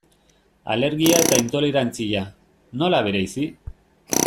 Alergia eta intolerantzia, nola bereizi?